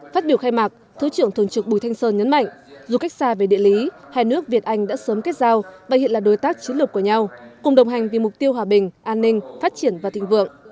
phát biểu khai mạc thứ trưởng thường trực bùi thanh sơn nhấn mạnh dù cách xa về địa lý hai nước việt anh đã sớm kết giao và hiện là đối tác chiến lược của nhau cùng đồng hành vì mục tiêu hòa bình an ninh phát triển và thịnh vượng